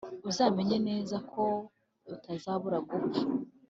uzamenye neza ko utazabura gupfa.